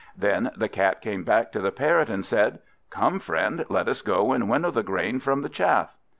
Then the Cat came back to the Parrot, and said "Come, friend, let us go and winnow the grain from the chaff."